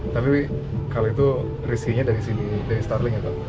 tapi kalau itu riskinya dari starling ya pak